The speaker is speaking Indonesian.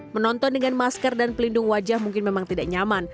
menonton dengan masker dan pelindung wajah mungkin memang tidak nyaman